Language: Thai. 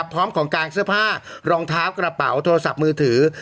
พร้อมของกลางเสื้อผ้ารองเท้ากระเป๋าโทรศัพท์มือถือ